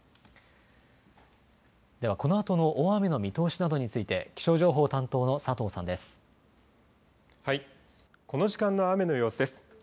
ではこのあとの大雨の見通しなどについて、気象情報担当の佐藤さこの時間の雨の様子です。